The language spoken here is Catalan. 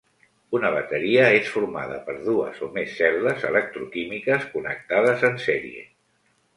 Una bateria és formada per dues o més cel·les electroquímiques connectades en sèrie.